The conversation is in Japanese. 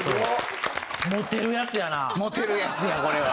モテるやつやこれは。